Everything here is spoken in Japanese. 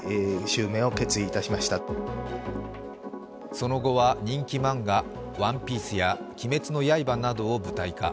その後は人気漫画「ＯＮＥＰＩＥＣＥ」や「鬼滅の刃」などを舞台化。